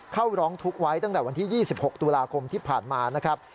เข้าร้องทุกข์ไว้ตั้งแต่วันที่๒๖ตุลาคมที่ผ่านมานะครับ